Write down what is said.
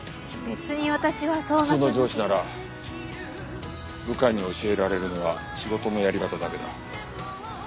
普通の上司なら部下に教えられるのは仕事のやり方だけだ。